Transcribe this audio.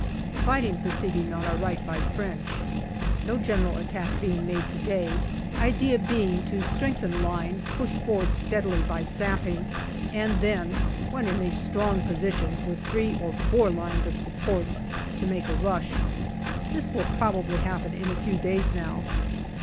Fighting proceeding on our right by French. No general attack being made to day, idea being to strengthen line, push forward steadily by sapping, and then, when in strong position with three or four lines of supports, to make a rush. This will probably happen in a few days now.